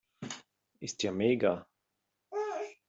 Ist ja mega!